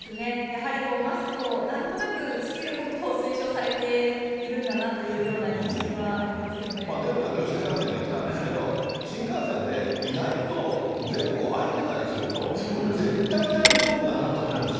やはりマスクをなんとなく着けることを推奨されているんだなといデーブさん、きょう、新幹線で来たんですけど、新幹線で意外と前後空いてたりすると、絶対大丈夫だなと思うし。